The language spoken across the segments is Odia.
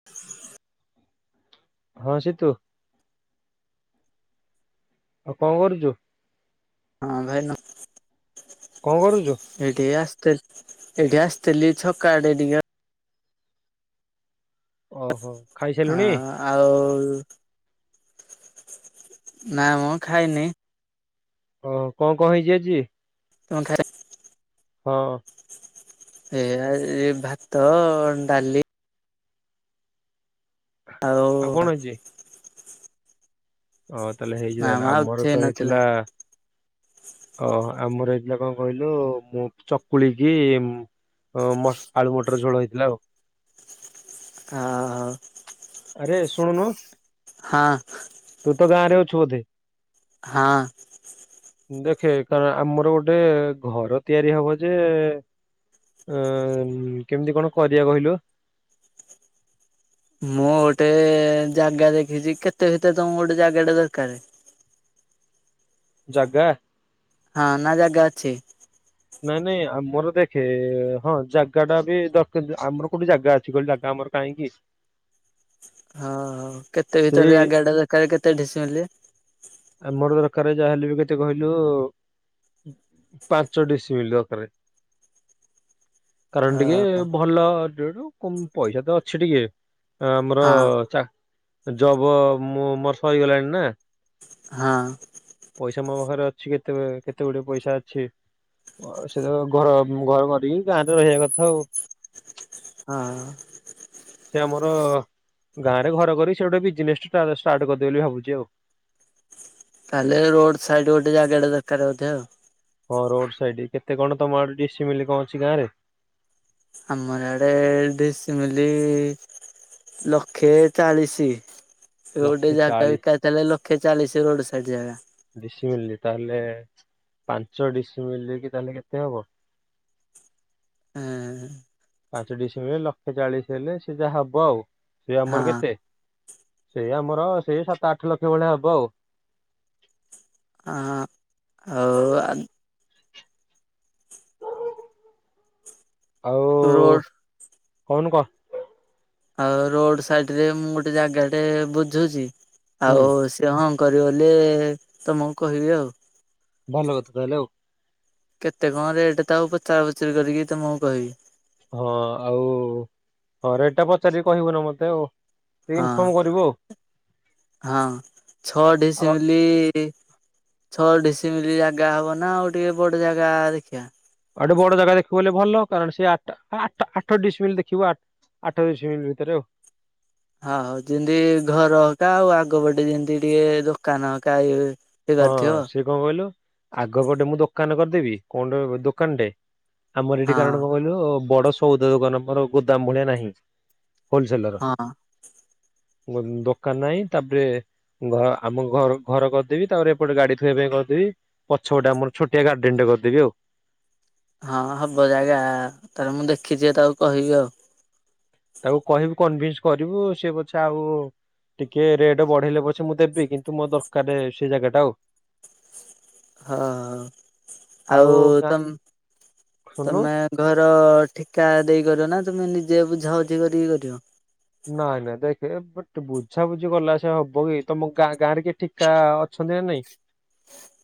[inaudible] ହଁ ସିତୁ। ଆଉ କଣ କରୁଛୁ? ହଁ ଭାଇ ନମ କଣ କରୁଛୁ? ଏଇଠି କି ଆସିଥିଲି, ଏଠି ଆସିଥିଲି ଛକ ଆଡେ ଟିକେ ଆଉ ଓହୋ ହଁ ଖାଇସାରିଲୁଣି? ଆଉ ନାମ ଖାଇନି। ଓ କଣ କଣ ହେଇଛି ଆଜି? କଣ ଖାଇ ହଁ। ଏଆ ଏଇ ଭାତ ଡାଲି ଆଉ କଣ ହେଇଛି? ହଁ ତାହେଲେ ହେଇଛି ନା ତାହଲେ, ମ ଆଉ କିଛି ଆମର ତ ହେଇନଥିଲା ହେଇଥିଲା ଓ ଆମର ହେଇଥିଲା କଣ କହିଲୁ, ମୁଁ ଚକୁଳି କି ଅ ମ ଆଳୁ ମଟର ଝୋଳ ହେଇଥିଲା ଆଉ। ହ ହ। ଆରେ ଶୁଣୁନୁ? ହଁ। ତୁ ତ ଗାଁରେ ଅଛୁ ବୋଧେ? ହଁ। ଦେଖେ କାରଣ ଆମର ଗୋଟେ ଘର ତିଆରି ହବ ଯେ ଆ କେମିତି କଣ କରିବା କହିଲୁ? ମୁଁ ଗୋଟେ ଜାଗା ଦେଖିଛି, କେତେ ଭିତରେ ତମୁ ଗୋଟେ ଜାଗା ଟା ଦରକାର୍? ଜାଗା? ହଁ ନା ଜାଗା ଅଛି? ନାଇଁ ନାଇଁ ଆମର ଦେଖେ, ହଁ ଜାଗା ଟା ବି ଦର୍ ଆମର କୋଉଠି ଜାଗା ଅଛି କହିଲୁ ଜାଗା ଆମର କାହିଁକି? ହଁ ହ କେତେ ଭିତରେ ସେଇ ଜାଗା ଟା ଦରକାର୍ କେତେ ଡିସି ମିଲି? ଆମର ଦରକାର୍ ଯାହେଲେ ବି କେତେ କହିଲୁ? ପାଞ୍ଚ ଡିସି ମିଲି ଦରକାର୍। କାରଣ ଟିକେ ହଁ ଭଲ ଦୁଡୁ, ପଇସା ତ ଅଛି ଟିକେ। ଆମର ହଁ ଚାକ୍ ଜବ ମୁଁ ମୋର ସରିଗଲାଣି ନା। ହଁ। ପଇସା ମୋ ପାଖରେ ଅଛି କେତେ କେତେ ଗୁଡେ ପଇସା ଅଛି। ଆଉ ସେଇ ତ ଘର ଘର କରିକି ଗାଁରେ ରହିବା କଥା ଆଉ। ହଁ। ସେ ଆମର ଗାଁରେ ଘର କରିକି ସେ ଗୋଟେ ବିଜ୍ନେସ୍ ଷ୍ଟାର୍ ଷ୍ଟାର୍ଟ କରିଦେବି ବୋଲି ଭାବୁଛି ଆଉ। ତାହେଲେ ରୋଡ଼୍ ସାଇଟ୍ ଗୋଟେ ଜାଗା ଟେ ଦରକାର୍ ବୋଧେ ଆଉ। ହଁ ରୋଡ୍ ସାଇଟ୍ କେତେ କଣ ତମ ଆଡେ ଡିସି ମିଲି କଣ ଅଛି ଗାଁରେ। ଆମର ଏଆଡେ ଡିସି ମିଲି ଲକ୍ଷେ ଚାଳିଶି। ସେ ଗୋଟେ ଲକ୍ଷେ ଜାଗା ଚାଳିଶ ବିକା ହେଇଥିଲା ଲକ୍ଷେ ଚାଳିଶି ରୋଡ ସାଇଟ୍ ଜାଗା। ଡିସି ମିଲି ତାହେଲେ ପାଞ୍ଚ ଡିସି ମିଲି କି ତାହେଲେ କେତେ ହବ। [unintelligible] ପାଞ୍ଚ ଡିସିମିଲ୍ରେ ହେଲେ ଲକ୍ଷେ ଚାଳିଶ ହେଲେ ସେ ଯାହା ହବ ଆଉ ସେ ଆମର ହଁ କେତେ। ସେଇ ଆମର ସେଇ ସାତ ଆଠ ଲକ୍ଷ ଭଳିଆ ହବ ଆଉ। ଆଁ [unintelligible] ଆଉ ରୋଡ କୋହୁନୁ କ। ଆଉ ରୋଡ ସାଇଟ୍ ରେ ମୁଁ ଗୋଟେ ଜାଗାଟେ ବୁଝୁଚି ହୁଁ ଆଉ ସ୍ ସେ ହଁ କରିବ ବୋଲି ତମକୁ କହିବି ଆଉ। ଭଲ କଥା ତାହେଲେ ଆଉ। କେତେ କଣ ରେଟ୍ ତାକୁ ପଚରା ପୁଚୁରି କରିକି ତମକୁ କହିବି। ହଁ ଆଉ ହଁ ରେଟ୍ ଟା ପଚାରିକି କହିବୁ ନା ମତେ ଆଉ। ଟିକେ ଇନଫର୍ମ କରିବୁ ଆଉ। ହଁ ହଁ ଛଅ ଆଉ ଡିସିମିଲି ଛଅ ଡିସିିମିଲି ଜାଗା ହବ ନା ଆଉ ଟିକେ ବଡ ଜାଗା ଦେଖିବା। ଆଉଟିକେ ବଡ ଜାଗା ଦେଖିବୁହେଲେ ଭଲ କାରଣ ସେ ଆଟା ଆଟା ଆଠ ଡିସମିଲ ଦେଖିବୁ ଆ ଆଠ ଡିସିମିଲ୍ ଭିତରେ ଆଉ। ହଁ ହଉ ଯେମ୍ତି ଘର ହକା ଆଉ ଆଗ ପଟେ ଯେମିତି ଟିକେ ଦୋକାନ ହକା ୟେ ହଁ ସେ କଂ କହିଲୁ ଆଗପଟେ ମୁଁ ଦୋକାନ କରିଦେବି କଣ ଦୋକାନ୍ଟେ। ଆମର ଏଠି କାରଣ ହଁ କଣ କହିଲୁ ବଡ ସଉଦ ଦୋକାନ ଆମର ଗୋଦାମ ଭଳିଆ ନାହିଁ। ହୋଲ୍ସେଲର। ହଁ ଦୋ ଦୋକାନ୍ ନାହିଁ ତାପ୍ରେ ଘ ଆମ ଘ ଘର ଦେବି ତାପରେ ଏପଟେ ଗାଡି ଥୋଇବା ପାଇଁ କରିଦେବି ପଛ ପଟେ ଆମ ଛୋଟିଆ ଗାର୍ଡେନ୍ ଟେ କରିଦବି ଆଉ। ହଁ ହବ ଜାଗା ତାର ମୁଁ ଦେଖିଛିି ତାକୁ କହିବି ଆଉ। ତାକୁ କହିବୁ କନଭିନ୍ସ କରିବୁ ସେ ପଛେ ଆଉ ଟିକିଏ ରେଟ୍ ବଢେଇଲେ ପଛେ ମୁଁ ଦେବି କିନ୍ତୁ ମୋତେ ଦରକାର ସେଇ ଜାଗା ଟା ଆଉ। ହଁ ଆଉ ତମ୍ ଶୁଣୁନୁ ତମେ ଘର ଠିକା ଦେଇ କରିବ ନା ତୁମେ ନିଜେ ବୁଝାବୁଝି କରିକି କରିବ। ନାଇଁ ନାଇଁ ଦେଖେ ବଟ ବୁଝାବୁଝି ଗଲା ସେ ହବ କି ତମ ଗାଁ ଗାଁ ରେ କିଏ ଠିକା ଅଛନ୍ତି ନା ନାଇଁ।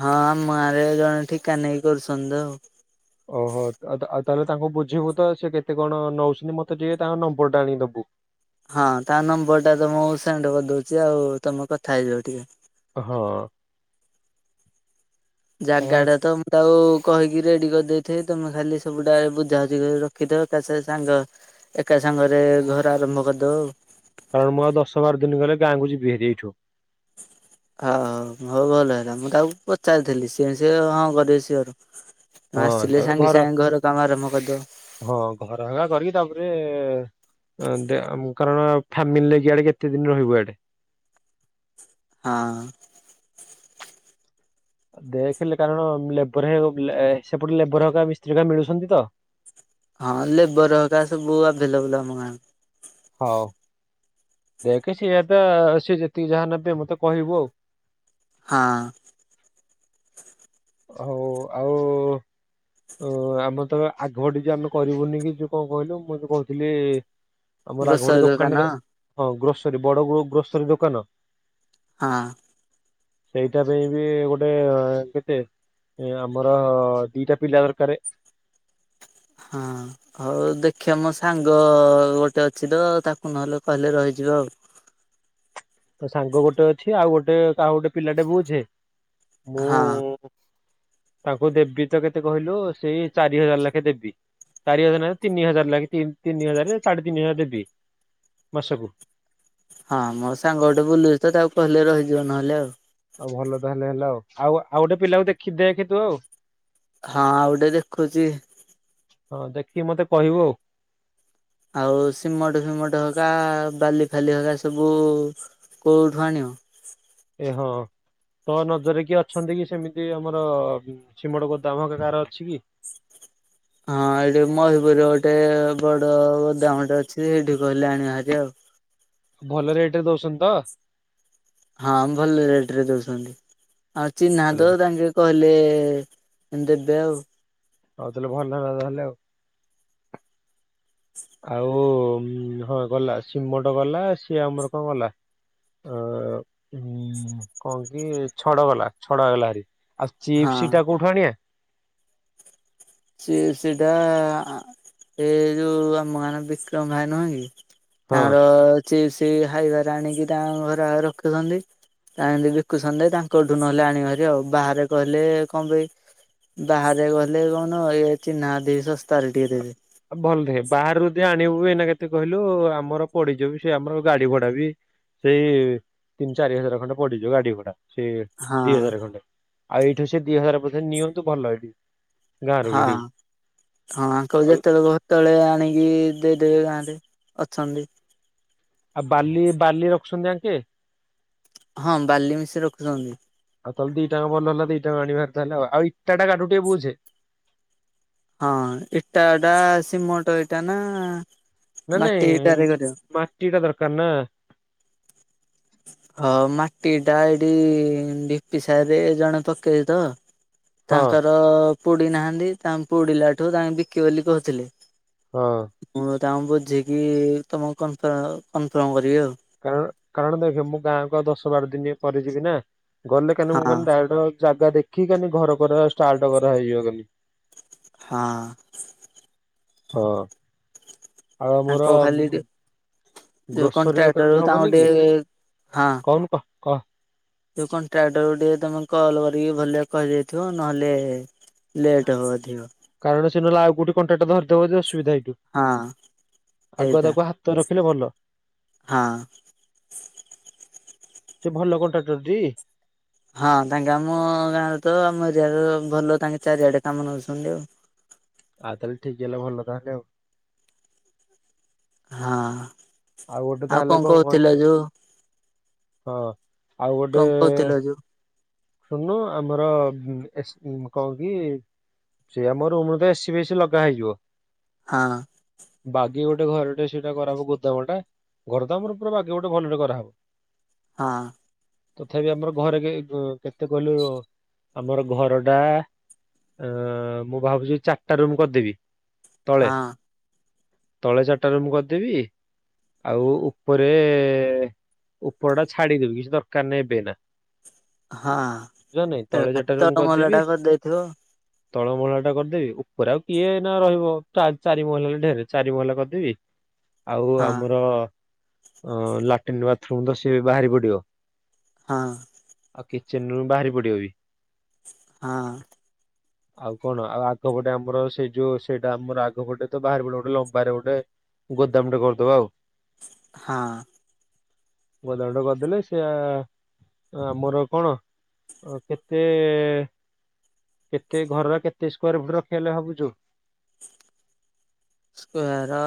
ହଁ ଆମ ଗାଁ ରେ ଜଣେ ଠିକା ନେଇ କରୁଛନ୍ତି ତ। ଓହୋ ଆ ଆଉ ତାହେଲେ ତାଙ୍କୁ ବୁଝିବୁ ତ ସେ କେତେ କଣ ନଉଛନ୍ତି ମତେ ଟିକେ ତାଙ୍କ ନମ୍ବର୍ ଟା ଆଣିକି ଦବୁ। ହଁ ତା ନମ୍ବର୍ ଟା ତମକୁ ସେଣ୍ଡ କରିଦଉଚି ଆଉ ତମେ କଥା ହେଇଯଅ ଟିକେ। ହଁ। କାରଣ ଜାଗାଟା ତ ତାକୁ କହିକି ରେଡି କରିଦେଇଥିବି ତମେ ଖାଲି ସବୁ ଡା ବୁଝାବୁଝି କରି ରଖିଥବ ଏକାଛକରେ ସାଙ୍ଗ ଏକା ସାଙ୍ଗରେ ଘର ଆରମ୍ଭ କରିଦବୁ ଆଉ। କାରଣ ମୁଁ ଆଉ ଦଶ ବାର ଦିନ ଗଲେ ଗାଁକୁ ଯିବି ହେରି ଏଇଠୁ। ଆଉ ହଉ ଭଲ ହେଲା ମୁଁ ତାକୁ ପଚାରିଥିଲି ସିଏ ସେହି ହଁ କରିବେ ସିଓର୍। ମୁଁ ହଁ ଆସିଲେ ତାପରେ ସାଙ୍ଗେ ସାଙ୍ଗେ ଘର କାମ ଆରମ୍ଭ କରିଦବ। ହଁ ଘର ଭଙ୍ଗା କରିକି ତାପରେ ଦେ କାରଣ ଫ୍ୟାମିଲି ନେଇକି ଆଡେ କେତେ ଦିନ ରହିବ ଇଆଡେ। ହଁ। ଦେଖେ କାରଣ ଲେବର ହେ ସେପଟେ ଲେବର ହ ମିସ୍ତ୍ରୀଙ୍କା ମିଳୁଛନ୍ତି ତ ହଁ ଲେବର ହକା ସବୁ ଆଭେଲେବୁଲ ଆମ ଗାଁରେ। ହଉ ଦେଖ ସିଏ ଏବେ ସିଏ ଯେତିକି ଯାହା ନେବେ ମତେ କହିବୁ ଆଉ। ହଁ ହଉ ଆଉ ଓ ଆମେ ତ ଆଗପଟେ ଯୋ ଆମେ କରିବୁନି କି ଯୋଉ କଣ କହିଲୁ ମୁଁ ଯୋଉ କହୁଥିଲି ଆମର ଆଗ ପେଟ ଗ୍ରୋସରୀ ଦୋକାନ ଦୋକାନରେ ହଁ ଗ୍ରୋସରୀ ବଡ ଗ୍ରୋ ଗ୍ରୋସରୀ ଦୋକାନ ହଁ ଏଇଟା ପାଇଁ ବି ଗୋଟେ କେତେ ଏଇ ଆମର ଦିଟା ପିଲା ଦରକାର। ହଁ ହଉ ଦେଖିବା ମୋ ସାଙ୍ଗ ଗୋଟେ ଅଛି ତ ତାକୁ ନହେଲେ କହିଲେ ରହିଯିବ ଆଉ। ତୋ ସାଙ୍ଗ ଗୋଟେ ଅଛି ଆଉ ଗୋଟେ କାହା ଗୋଟେ ପିଲାଟେ ବୁଛେ ମୁଁ ହଁ ତାଙ୍କୁ ଦେବି ତ କେତେ କହିଲୁ ସେଇ ଚାରି ହଜାର ଲାଖେ ଦେବି। ଚାରି ହଜାର ନ ତିନି ହଜାର ଲାଗି ତିନ ତିନି ହଜାର ସାଢେ ତିନି ହଜାର ଦେବି ମାସକୁ। ହଁ ମୋ ସାଙ୍ଗ ଗୋଟେ ବୁଲୁଛି ତ ତାକୁ କହିଲେ ରହିଯିବ ନହେଲେ ଆଉ। ଆଉ ଭଲ ତାହେଲେ ହେଲା ଆଉ ଆଉ ଆଉ ଗୋଟେ ପିଲାକୁ ଦେଖି ଦେଖ ତୁ ଆଉ। ହଁ ଆଉ ଗଟେ ଦେଖୁଚି। ହଁ ଦେଖିକି ମତେ କହିବୁ ଆଉ ଆଉ ସିମଟ ଫିମଟ ହକା ବାଲି ଫାଲି ହକା ସବୁ କେଉଠୁ ଆଣିବ? ଏ ହଁ ତ ନଜରରେ କିଏ ଅଛନ୍ତି କି ସେମିତି ଆମର ସିମଟ ଗୋଦମ ହେକା କାହାର ଅଛି କି? ହଁ ଏଇଠି ମୟୂରପୁରରେ ଗୋଟେ ବଡ ଗୋଦାମଟେ ଅଛି ସେଇଠି କହିଲେ ଆଣ ବାହାରି ଆଉ। ଭଲ ରେଟ ରେ ଦଉଛନ୍ତି ତ? ହଁ ଭଲ ରେଟ ରେ ଦଉଛନ୍ତି ଆଉ ଚିହ୍ନା ତାହେଲେ ଦ ତାଙ୍କେ କହିଲେ ଦେବେ ଆଉ। ହୋଉତାହେଲେ ଭଲ ହେଲେ ଆଉ। ଆଉ ହଁ ଗଲା ଶିମଟ ଗଲା ସିଏ ଆମର କଣ ଗଲା ଅ ଉ କଣ କି ଛଡ ଗଲା ଛଡ ହେଲାର ଆଉ ହଁ ଚିପ୍ସ ଟା କୋଉଠୁ ଆଣିବା? ଚିପ୍ସ ଟା ଏ ଯୋଉ ଆମ ଗାଁ ବିକ୍ରମ ଭାଇ ନୁହେଁ କି ହଁ ତାଙ୍କର ଚିପ୍ସ ହାୱାରେ ଆଣିକି ତାଙ୍କ ଘରେ ରଖିଛନ୍ତି। ତା ଏମତି ବିକୁ ସନ୍ତୀ ତାଙ୍କଠୁ ନହେଲେ ଆଣିବା ହାରି ଆଉ ବାହାରେ କହିଲେ କଣ ପାଇଁ ବାହାରେ ଗଲେ କଣ ଇଏ ଚିହ୍ନା ଦେଇ ଶସ୍ତାରେ ଟିକେ ଦେବି। ଭଲେ ବାହାରୁଦି ଆଣିବୁ ଏଇନା କେତେ କହିଲୁ ଆମର ପଡିଯିବ ବି ସେ ଆମର ଗାଡି ଭଡା ବି। ସେଇ ତିନି ଚାରି ହଜାର ଖଣ୍ଡେ ପଡିଯିବ ଗାଡି ଭଡା। ସେ ହଁ। ଦି ହଜାର ଖଣ୍ଡେ ଆଉ ଏଇଠୁ ସେ ଦି ହଜାର ପଛେ ନିଅନ୍ତୁ ଭଲ ଏଇଠି। ଗାଁରୁ ହଁ ଭିଡିବୁ ହଁ ଆଙ୍କଙ୍କୁ ଆଉ ଯେତେବେଳେ କହିବ ତଳେ ଆଣିକି ଦେଇଦେବେ ଗାଁରେ ଅଛନ୍ତି। ଆଉ ବାଲି ବାଲି ରଖୁଛନ୍ତି ଆଙ୍କେ? ହଁ ବାଲି ମିଶି ରଖୁଛନ୍ତି। ଆଉ ତାହେଲେ ଦିଟାଙ୍କ ଭଲ ହେଲା ଦିଟା ଆଣିବାର ତାହେ ଆଉଇଟା ଟା କାହାଠୁ ଟିକେ ବୁଝେ? ହଁ ଇଟାଟା ସିମଟ ଇଟା ନା ନାଇ ମାଟି ନାଇଁ ଇଟାରେ କରିବ? ମାଟି ଇଟା ଦରକାର ନା। ହଁ ମାଟି ଇଟା ଏଠି ଢିପି ସାହିିରେ ଜଣେ ପକେଇଛି ତ ହଁ ତାଙ୍କର ପୋଡି ନାହାନ୍ତି ତାଙ୍କ ପୋଡିଲା ଠୁ ତାଙ୍କେ ବିକିବେ ବୋଲି କହୁଥିଲେ। ହଁ ମୁଁ ତାଙ୍କୁ ବୁଝିକି ତମକୁ କନଫ କନଫର୍ମ କରିବି ଆଉ। କାରଣ କାରଣ ଦେଖ ମୁଁ ଗାଁକୁ ଆଉ ଦଶ ବାର ଦିନ ପରେ ଯିବି ନା। ଗଲେ କାହିଁକି ନା ମୁଁ ହଁ ଖାଲି ଡାଇରେଟ ଜାଗା ଦେଖିବି ଖାଲି ଘର କରିବା ଷ୍ଟାର୍ଟ କରାହେଇଯିବ ଖାଲି। ହଁ। ହଁ ଆଉ ଆମର ତାଙ୍କୁ ଖାଲି ଯୋଉ ଗ୍ରୋସରୀ ଦୋକାନ କଣ୍ଟ୍ରାକ୍ଟରକୁ ଯୋଉ ତାଙ୍କୁ ହବନି କି ଟିକେ ହଁ କହୁନୁ କ କହ। ଯୋଉ କଣ୍ଟ୍ରାକ୍ଟର କୁ ଟିକେ ତମେ କଲ୍ କରିକି ଭଲ କହି ଦେଇଥିବ ନହେଲେ ଲେଟ୍ ହବ ଅଧିକ। କାରଣ ସେ ନହେଲେ ଆଉ କୋଉଠି କଣ୍ଟ୍ରାକ୍ଟା ଧରିଦବ ଯେ ଅସୁବିଧା ଏଇଠୁ ହଁ ଆଗ ସେଇଟା ତାକୁ ହ ହାଟରେ ରଖିଲେ ଭଲ। ହଁ। ସେ ଭଲ କଣ୍ଟାକ୍ଟର ଟି। ହଁ ତାଙ୍କେ ଆମ ଗାଁରେ ତ ଆମ ଏରିଆ ଭଲ ତାଙ୍କେ ଚାରିଆଡେ କାମ ନଉଛନ୍ତି ଆଉ। ଆଉ ତାହେଲେ ଠିକ୍ ହେଲା ଭଲ ତାହେଲେ ଆଉ। ହଁ ଗୋଟେ ଆଉ ତାହେଲେ କଣ କହିଲୁ କହୁଥିଲ ଯୋଉ ହଁ ଆଉ ଗୋଟେ କଣ କହୁଥିଲ ଯୋଉ ଶୁଣୁନୁ ଆମର ଏସ କଣ କି ସେଇ ଆମ ରୁମରେ ତ ଏସି ଫେସିି ଲଗା ହେଇଯିବ। ହଁ। ବାଗି ଗୋଟେ ଘରଟେ ସେଇଟା କରାହବ ଗୋଦାମଟା। ଘରଦାମ ର ପୁରୁ ବାକି ଗୋଟେ ଭଲଟେ କରାହବ। ହଁ। ତଥାପି ଆମର ଘରେ କେତେ କହିଲୁ ଆମର ଘରଟା ଅ ମୁଁ ଭାବୁଛି ଚାରିଟା ରୁମ୍ କରିଦେବି ତଳେ। ହଁ ତଳେ ଚାରିଟା ରୁମ୍ ମୁଁ କରିଦେବି ଆଉ ଉପରେ ଉପର ଟା ଛାଡିଦେବି କିଛି ଦରକାର ନହିଁ ଏବେ ଏଇନା। ହଁ ତଳେ ଏ ଚାରିଟା ରୁମ୍ ତଳମଲ କରିଦେବି ଟା କରିଦେଇଥିବୁ। ତଳ ମହିଳା ଟା କରିଦେବି ଉପରେ ଆଉ କିଏ ଏଇନା ରହିବ ଚାରି ମହିଳା ଢେର ଚାରି ମହିଳା କରିଦେବି। ଆଉ ହଁ ଆମର ଲାଟିନ୍ ବାଥରୁମ ତ ସିଏ ବାହାରି ପଡିବ। ହଁ। ଆଉ କିଚେନ ରୁୁମ ବାହାରି ପଡିବ ବି। ହଁ। ଆଉ କଣ ଆଉ ଆଗପଟେ ଆମର ସେଇ ଯୋଉ ସେଇଟା ଆମର ଆଗପଟେ ତ ବାହାରି ପଡିବ ଗୋଟେ ଲମ୍ବାରେ ଗୋଟେ। ଗୋଦାମ ଟେ କରିଦବା ଆଉ। ହଁ। ଗୋଦାମଟେ କରିଦେଲେ ସିଏ ଆମର କଣ କେତେ କେତେ ଘରର କେତେ ସ୍କ୍ୱାୟାର ଫୁଟ ରଖିବା ବୋଲି ଭାବୁଛୁ? ସ୍କ୍ୱାର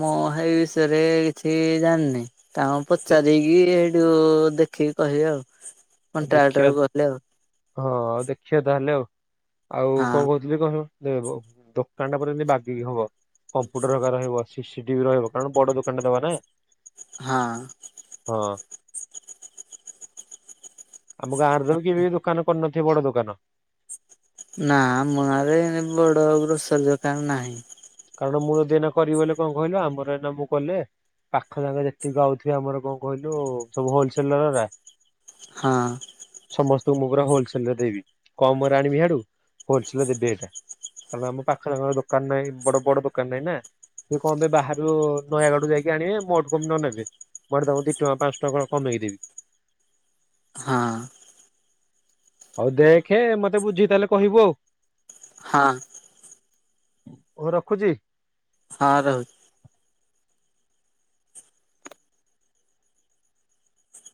ମୁଁ ସେଇ ବିଷୟରେ କିଛି ଜାଣିନି। ତାଙ୍କୁ ଦେ- ପଚାରିକି ସେଇଠି ଦେଖିକି କହିବି ଆଉ। ଆଉ ଦେଖିବା କଣ୍ଟ୍ରାକ୍ଟରକୁ କହିଲେ ଆଉ। ହଁ ଆଉ ଦେଖିବା ତାହେଲେ ଆଉ ଆଉ ହଁ କଣ କହୁ ଯି କହ ଦୋକାନ ଟା ପରେ ଯେମିତି ବାଗେଇକି ହବ। କମ୍ପ୍ୟୁଟର ଘରିକା ରହିବ ସିସିଟିଭି ରହିବ କାରଣ ବଡ ଦୋକାନଟେ ଦବା ନା। ହଁ। ହଁ। ଆମ ଗାଁ ରେ ବି କେବେ ଦୋକାନ କରିନଥିବେ ବଡ ଦୋକାନ। ନା ଆମ ଗାଁରେ ବଡ ଗ୍ରୋସୋରୀ ଦୋକାନ ନାହିଁ। କାରଣ ମୁଁ ଯଦି ଏଇନା କରିବି ବୋଲି କଣ କହିଲ ଆମର ଏନା ମୁଁ କଲେ ପାଖ ଜାଗା ଯେତିକି ଆଉଥିବେ ଆମର କଣ କହିଲୁ ସବୁ ହୋଲସେଲର ଗୁରା ହଁ। ସମସ୍ତଙ୍କୁ ମୁଁ ପୁରା ହୋଲସେଲ ରେ ଦେବି କମ ରେ ଆଣିବି ହେଆଡୁ ହୋଲସେଲ ରେ ଦେବି ଏଇଠେ। କାରଣ ଆମ ପାଖରେ ଦୋକାନ ନାଇଁ ବଡ ବଡ ଦୋକାନ ନାଇଁ ନା। ସେ କଣ ପାଇ ବାହାରୁ ନୟାଗଡରୁ ଯାଇକି ଆଣିବେ ମୋଠୁ କମ ନନେବେ। କୁଆଡେ ତଙ୍କୁ ଦିଟଙ୍କ ପାଞ୍ଚଟଙ୍କା କଣ କମେଇକି ଦେବି। ହଁ। ହୋଉ ଦେଖେ ମତେ ବୁଝିକି ତାହେଲେ କହିବୁ ଆଉ। ହଁ। ହୋଉ ରଖୁଚି। ହଁ ରହୁ